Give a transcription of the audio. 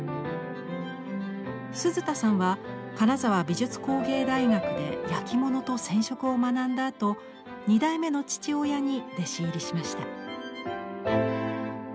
鈴田さんは金沢美術工芸大学で焼き物と染織を学んだあと２代目の父親に弟子入りしました。